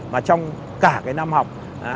mà trong cả cái năm học